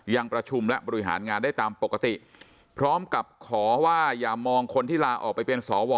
ยังประชุมและบริหารงานได้ตามปกติพร้อมกับขอว่าอย่ามองคนที่ลาออกไปเป็นสว